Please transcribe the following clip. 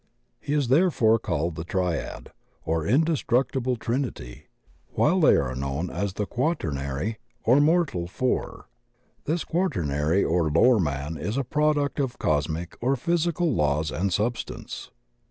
He is therefore called the Triad, or indestructible trinity, while they are known as the Quaternary or mortal four. This quaternary or lower man is a product of cos mic or physical laws and substance.